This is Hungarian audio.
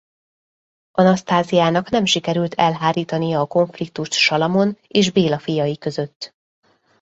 Anasztáziának nem sikerült elhárítania a konfliktust Salamon és Béla fiai között.